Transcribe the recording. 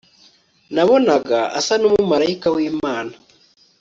nabonaga asa n'umumalayika w'imana